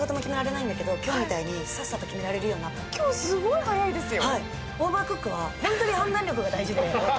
今日、すごい早いですよ。